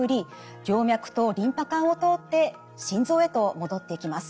静脈とリンパ管を通って心臓へと戻っていきます。